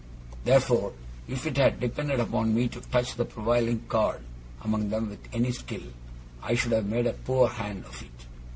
Therefore, if it had depended upon me to touch the prevailing chord among them with any skill, I should have made a poor hand of it.